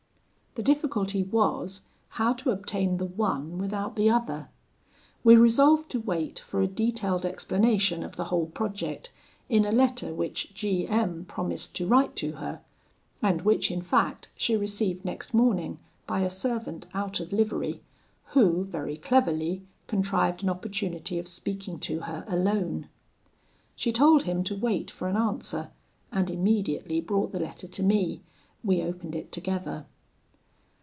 The difficulty was, how to obtain the one without the other; we resolved to wait for a detailed explanation of the whole project in a letter which G M promised to write to her, and which in fact she received next morning by a servant out of livery, who, very cleverly, contrived an opportunity of speaking to her alone. She told him to wait for an answer, and immediately brought the letter to me: we opened it together.